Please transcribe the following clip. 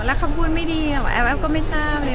แล้วคำพูดไม่ดีหรอกแอฟก็ไม่ทราบเลย